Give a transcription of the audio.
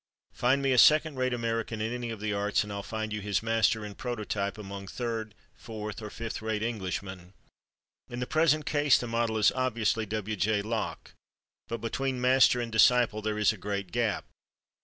Find me a second rate American in any of the arts and I'll find you his master and prototype among third, fourth or fifth rate Englishmen. In the present case the model is obviously W. J. Locke. But between master and disciple there is a great gap.